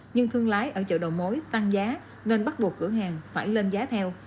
nhưng thương lái ở chợ đầu mối tăng giá nên bắt buộc cửa hàng phải lên giá theo